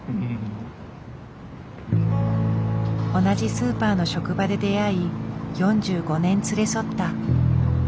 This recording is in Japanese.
同じスーパーの職場で出会い４５年連れ添った。